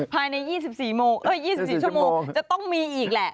ภายใน๒๔ชั่วโมงจะต้องมีอีกแหละ